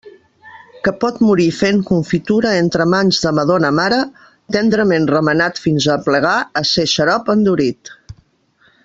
Que pot morir fent confitura entre mans de madona mare, tendrament remenat fins a aplegar a ser xarop endurit.